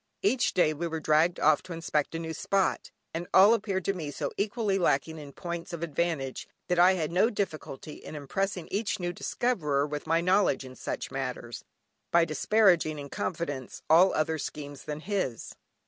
Every day we were dragged off to inspect a new spot, and all appeared to me so equally lacking in points of advantage, that I had no difficulty in impressing each new discoverer with my knowledge in such matters, by disparaging (in confidence) all other schemes than his.